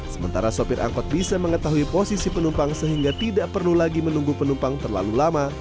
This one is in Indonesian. sementara sopir angkot bisa mengetahui posisi penumpang sehingga tidak perlu lagi menunggu penumpang terlalu lama